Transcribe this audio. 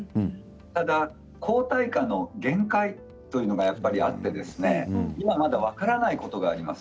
ただ抗体価の限界というのがあって、今まだ分からないということがあります。